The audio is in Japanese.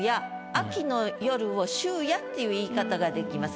秋の夜を「秋夜」っていう言い方ができます。